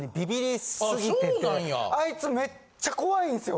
あいつめっちゃ怖いんすよ。